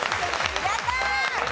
やったー！